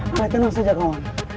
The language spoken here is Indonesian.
alay tenang saja kawan